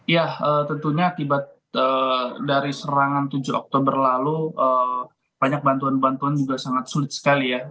ya tentunya akibat dari serangan tujuh oktober lalu banyak bantuan bantuan juga sangat sulit sekali ya